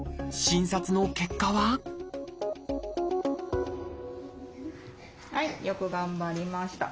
診察の結果ははいよく頑張りました。